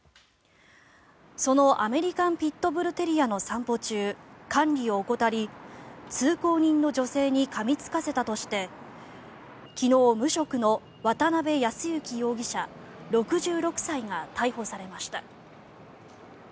そのアメリカンピットブルテリアの散歩中管理を怠り、通行人の女性にかみつかせたとして昨日、無職の渡邊保之容疑者６６歳が逮捕されました。